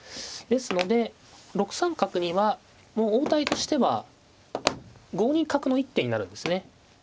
ですので６三角にはもう応対としては５二角の一手になるんですね。